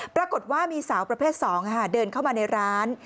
ปรากฏว่ามีสาวประเภท๒เดินเข้ามาในร้าน